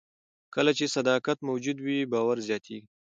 کله چې صداقت موجود وي، باور زیاتېږي.